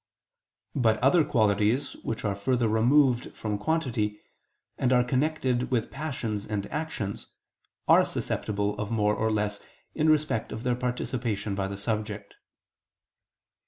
But other qualities which are further removed from quantity, and are connected with passions and actions, are susceptible of more or less, in respect of their participation by the subject.